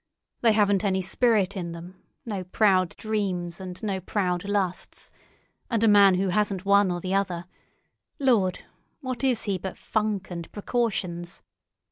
They haven't any spirit in them—no proud dreams and no proud lusts; and a man who hasn't one or the other—Lord! What is he but funk and precautions?